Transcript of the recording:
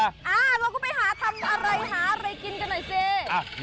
เราก็ไปหาทำอะไรหาอะไรกินกันหน่อยสิ